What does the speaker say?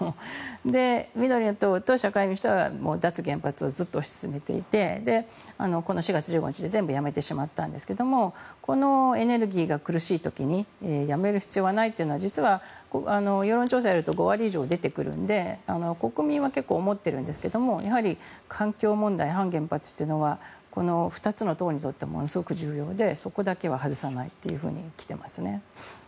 緑の党と社会民主党は脱原発をずっと推し進めていてこの４月１５日で全部やめてしまったんですけれどもこのエネルギーが苦しい時にやめる必要はないというのは実は世論調査をやると５割以上出てくるので国民は結構、思っているんですが環境問題、反原発というのはこの２つの党にとってものすごく重要でそこだけは外さないというふうに来ていますね。